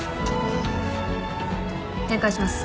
展開します。